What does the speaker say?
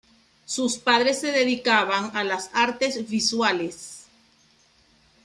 Sus padres se dedicaban a las artes visuales.